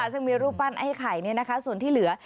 ซึ่งมีรูปปั้นให้ขายนี่นะคะส่วนที่เหลือ